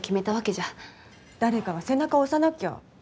誰かが背中を押さなきゃ。